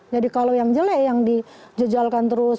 jadi kalau yang jelek yang di jejalkan terus